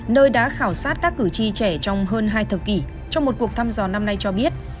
nơi đã khảo sát các cử tri trẻ trong hơn hai thập kỷ trong một cuộc thăm dò năm nay cho biết